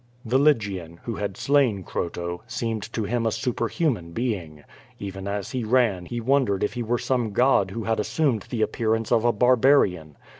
*' The Lygian, who had slain Croto, seemed to him a super human being. Even as he ran he wondered if he were some god who had assumed the appearance of a barbarian.